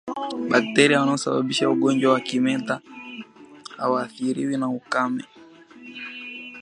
Bakteria wanaosababisha ugonjwa wa kimeta hawaathiriwi na ukame